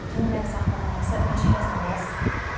３コマニュース」、良原さんです。